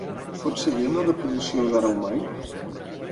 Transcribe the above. Pots seguir amb la reproducció d'"Ara o mai"?